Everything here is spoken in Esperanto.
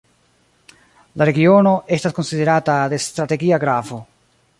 La regiono estas konsiderata de strategia gravo.